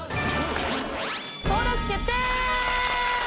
登録決定！